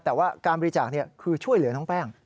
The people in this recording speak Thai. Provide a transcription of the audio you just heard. แต่ว่าการบริจาคคือช่วยเหลือน้องแป้ง